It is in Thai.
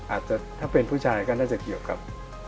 อาจจะถ้าเป็นผู้ชายก็น่าจะเกี่ยวกับ